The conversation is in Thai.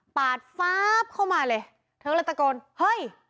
ปาดฟ้าบเข้ามาเลยเธอเลยตะโกนเฮ้ย